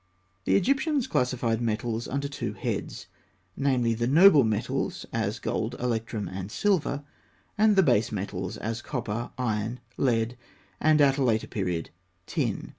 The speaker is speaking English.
The Egyptians classified metals under two heads namely, the noble metals, as gold, electrum, and silver; and the base metals, as copper, iron, lead, and, at a later period, tin.